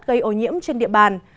gây ô nhiễm trên địa bàn